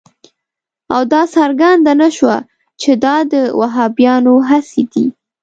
او دا څرګنده نه شوه چې دا د وهابیانو هڅې دي.